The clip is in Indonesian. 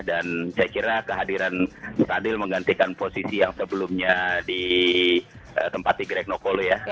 dan saya kira kehadiran sadil menggantikan posisi yang sebelumnya di tempat greg nocolo ya